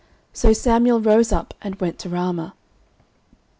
So Samuel rose up, and went to Ramah.